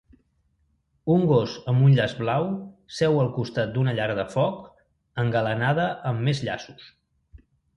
Un gos amb un llaç blau seu al costat d'una llar de foc engalanada amb més llaços.